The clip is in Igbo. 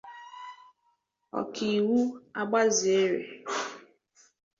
Ọkaiwu Agbasiere